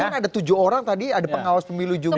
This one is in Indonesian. ya kan itu kan ada tujuh orang tadi ada pengawas pemilu juga